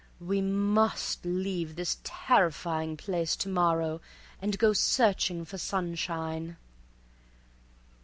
We must leave this terrifying place to morrow and go searching for sunshine."